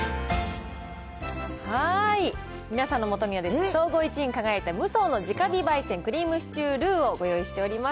皆さんのもとには総合１位に輝いたムソーの直火焙煎クリームシチュールウをご用意しております。